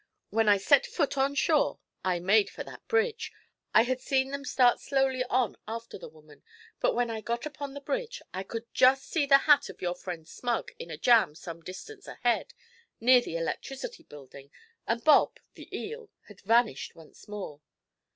When I set foot on shore I made for that bridge. I had seen them start slowly on after the woman; but when I got upon the bridge I could just see the hat of your friend Smug in a jam some distance ahead, near the Electricity Building, and Bob, the eel, had vanished once more.'